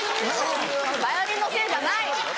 バイオリンのせいじゃない！